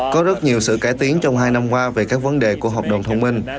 có rất nhiều sự cải tiến trong hai năm qua về các vấn đề của hợp đồng thông minh